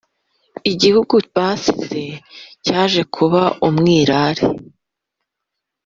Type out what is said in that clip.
Igihugu basize cyaje kuba umwirare